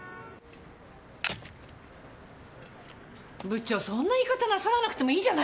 部長そんな言い方なさらなくても。